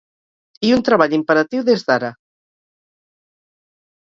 I un treball imperatiu des d’ara.